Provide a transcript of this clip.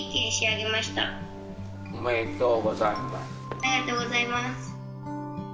ありがとうございます。